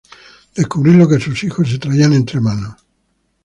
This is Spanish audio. descubrir lo que sus hijos se traían entre manos